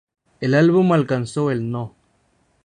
El álbum alcanzó el No.